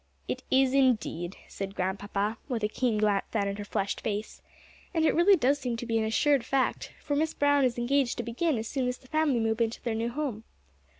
"It is, indeed," said Grandpapa, with a keen glance down at her flushed face. "And it really does seem to be an assured fact, for Miss Brown is engaged to begin as soon as the family move into their new home."